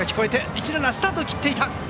一塁ランナースタートを切っていた。